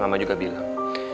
dan mama juga bilang